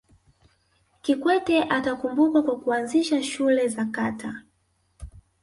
kikwete atakumbukwa kwa kuanzisha shule za kata